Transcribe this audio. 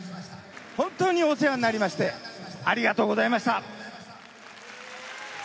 本当にお世話になりまして、ありがとうございました。